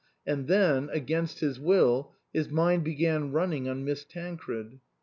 And then, against his will, his mind began running on Miss Tancred.